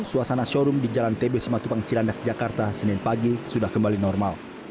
suasana showroom di jalan tb simatupang cilandak jakarta senin pagi sudah kembali normal